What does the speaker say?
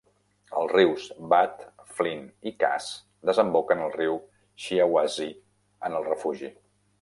Els rius Bad, Flint i Cass desemboquen al riu Shiawassee en el refugi.